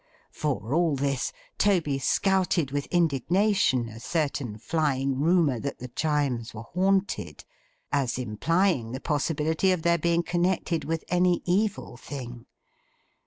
For all this, Toby scouted with indignation a certain flying rumour that the Chimes were haunted, as implying the possibility of their being connected with any Evil thing.